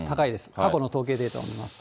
過去の統計データを見ますと。